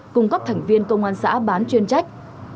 cung cấp thành viên công an xã bán chuyên trách